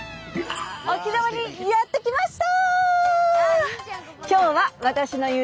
沖縄にやって来ました！